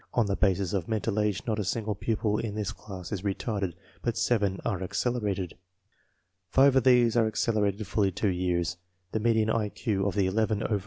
On the basis of mental age not. a .single pupil. in this class is retarded, but seven are accelerated. Five of these are accelerated fully two years. The median I Q of the eleven over age pupils is. 74.